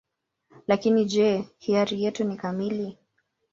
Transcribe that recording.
Lakini je, hiari yetu ni kamili?